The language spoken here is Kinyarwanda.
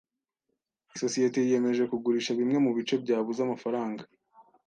Isosiyete yiyemeje kugurisha bimwe mu bice byabuze amafaranga.